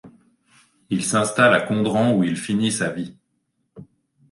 Il s'installe à Condren où il finit sa vie.